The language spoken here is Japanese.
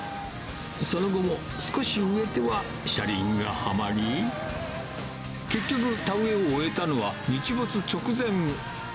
その後も少し植えては車輪がはまり、結局、田植えを終えたのは日没直前。